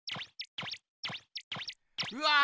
うわ！